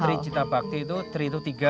tri cita bakti itu tri itu tiga